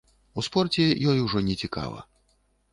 У спорце ёй ужо нецікава.